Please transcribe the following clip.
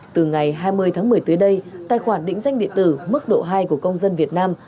từ ngày hai mươi tháng một mươi tới đây tài khoản định danh điện tử mức độ hai của công dân việt nam